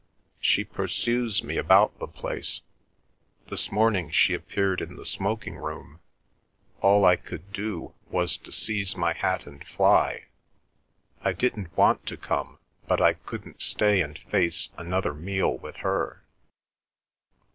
"She pursues me about the place. This morning she appeared in the smoking room. All I could do was to seize my hat and fly. I didn't want to come, but I couldn't stay and face another meal with her."